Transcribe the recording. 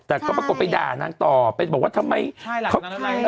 แต่เขาก็ไปด่านั่งต่อไปบอกว่าทำไมใช่หลังจากนั้นแล้วไง